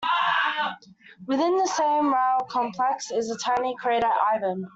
Within the same rille complex is the tiny crater Ivan.